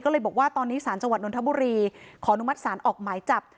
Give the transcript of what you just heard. ก็เลยบอกว่าตอนนี้ศาลจนธบุรีขออนุมัติศาลออกหมายจับ